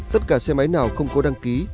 tất cả xe máy nào không có đăng ký